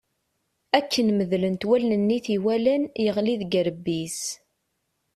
Akken medlent wallen-nni i t-iwalan, yeɣli deg urebbi-s.